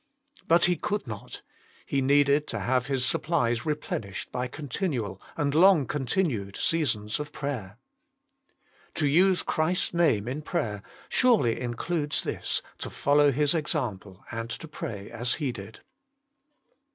But He could not; He needed to have His supplies replenished by continual and long continued seasons of prayer. To use Christ s Name 134 THE MINISTRY OP INTERCESSION in prayer surely includes this, to follow His example and to pray as He did.